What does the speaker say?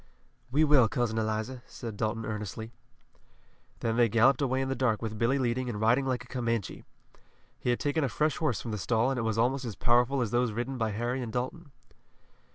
"We will, Cousin Eliza," said Dalton earnestly. Then they galloped away in the dark with Billy leading and riding like a Comanche. He had taken a fresh horse from the stall and it was almost as powerful as those ridden by Harry and Dalton.